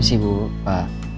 ini sih bu pak